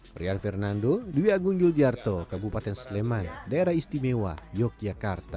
prian fernando dwi agung yulgiarto kabupaten sleman daerah istimewa yogyakarta